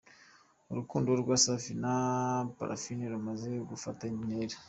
Urukundo rwa Safi na Parfine rumaze gufata indi ntera